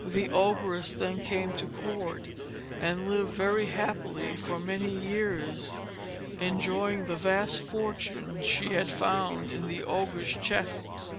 The Ogress then came to court, and lived very happily for many years, enjoying the vast fortune she had found in the Ogre's chests.